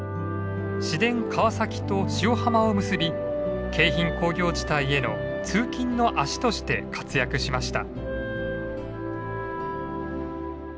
市電川崎と塩浜を結び京浜工業地帯への通勤の足として活躍しました。